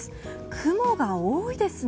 雲が多いですね。